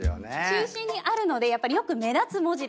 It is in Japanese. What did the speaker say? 中心にあるのでよく目立つ文字でもあります。